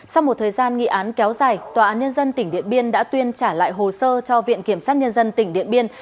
sau một thời gian nghị án kéo dài tòa án nhân dân tỉnh điện biên đã tuyên trả lại hồ sơ cho viện kiểm sát nhân dân tỉnh điện biên